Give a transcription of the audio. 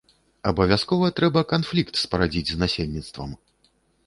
Абавязкова трэба канфлікт спарадзіць з насельніцтвам.